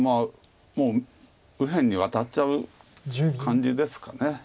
もう右辺にワタっちゃう感じですか。